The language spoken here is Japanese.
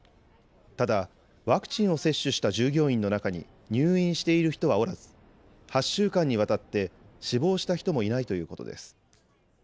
ただ、ワクチンを接種した従業員の中に入院している人はおらず８週間にわたって死亡した人もいないということです。